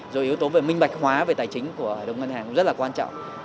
rồi yếu tố về minh bạch hóa về tài chính của đồng ngân hàng cũng rất là quan trọng